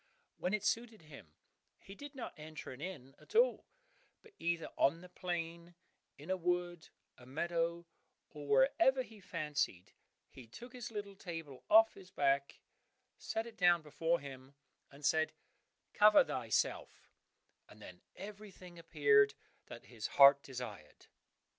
When it suited him he did not enter an inn at all, but either on the plain, in a wood, a meadow, or wherever he fancied, he took his little table off his back, set it down before him, and said, "Cover thyself," and then everything appeared that his heart desired.